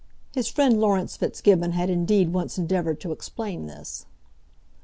His friend Laurence Fitzgibbon had indeed once endeavoured to explain this.